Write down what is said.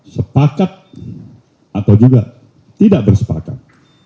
sepakat atau juga tidak bersepakat